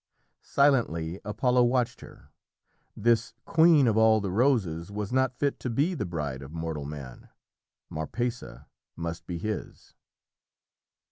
Silently Apollo watched her. This queen of all the roses was not fit to be the bride of mortal man Marpessa must be his.